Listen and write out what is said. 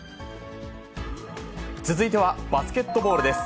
続いてはバスケットボールです。